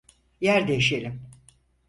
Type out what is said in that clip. Yer değişelim.